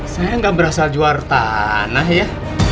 saya gak berasal juara tanah ya